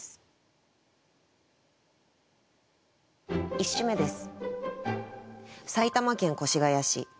１首目です。